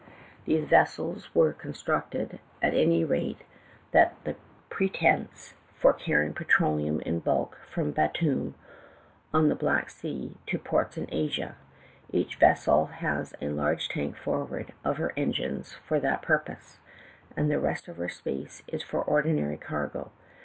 These vessels were eon structed — at any rate, that was the pretense — for carrying petroleum in bulk from Batoum, on the Black sea, to ports in Asia. Each vessel has a large tank forward of her engines for that pur pose, and the rest of her space is for ordinary cargo.